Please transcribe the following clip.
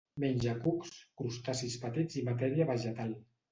Menja cucs, crustacis petits i matèria vegetal.